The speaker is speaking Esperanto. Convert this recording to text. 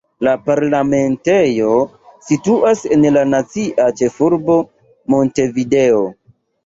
La parlamentejo situas en la nacia ĉefurbo Montevideo.